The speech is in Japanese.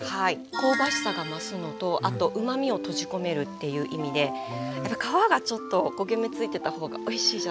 香ばしさが増すのとあとうまみを閉じ込めるっていう意味でやっぱ皮がちょっと焦げ目ついてた方がおいしいじゃないですか。